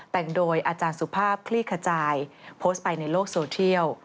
แต่งโดยอาจารย์สุภาพคลี่ขจายโพสต์ไปในโลกโซเทียล